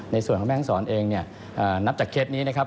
ในส่วนของแม่ห้องศรเองเนี่ยนับจากเคสนี้นะครับ